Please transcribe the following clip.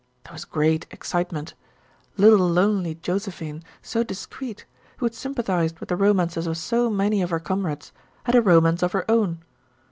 There was a great excitement. Little lonely Josephine, so discreet, who had sympathized with the romances of so many of her comrades, had a romance of her own.